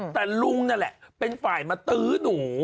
แต่ลุงนั่นแหละเป็นฝ่ายมาตื้อหนู